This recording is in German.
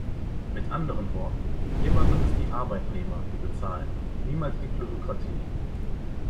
Mit anderen Worten, immer sind es die Arbeitnehmer, die bezahlen, niemals die Plutokratie.